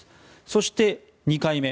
そして、２回目。